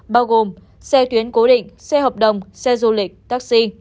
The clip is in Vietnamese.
bao gồm xe tuyến cố định xe hợp đồng xe du lịch taxi